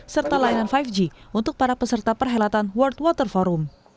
serta layanan lima g untuk para peserta perhelatan world water forum